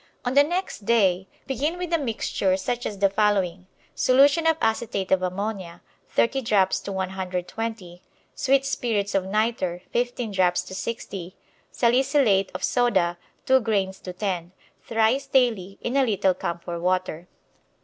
On the next day begin with a mixture such as the following: Solution of acetate of ammonia, 30 drops to 120; sweet spirits of nitre, 15 drops to 60; salicylate of soda, 2 grains to 10. Thrice daily in a little camphor water.